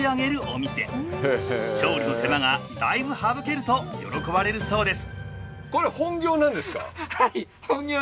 調理の手間がだいぶ省けると喜ばれるそうです。